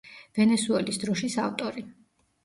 ვენესუელის დროშის ავტორი.